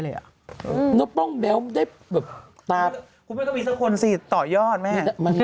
มึงก็มีสักคนสิต่อย่อนแม่